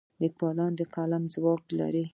لیکوال د قلم ځواک لري.